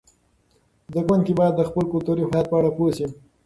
زده کوونکي باید د خپل کلتوري هویت په اړه پوه سي.